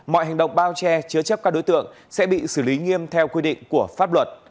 mọi hành động bao che chứa chấp các đối tượng sẽ bị xử lý nghiêm theo quy định của pháp luật